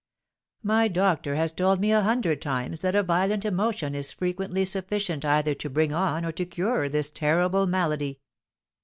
"My doctor has told me a hundred times that a violent emotion is frequently sufficient either to bring on or to cure this terrible malady."